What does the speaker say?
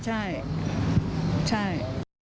ใช่ใช่